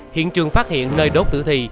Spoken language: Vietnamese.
hiện trường phát hiện nơi đốt tử thi